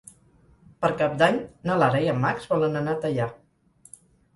Per Cap d'Any na Lara i en Max volen anar a Teià.